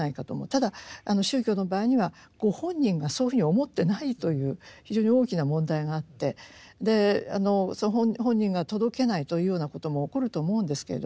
ただ宗教の場合にはご本人がそういうふうに思ってないという非常に大きな問題があってその本人が届けないというようなことも起こると思うんですけれども。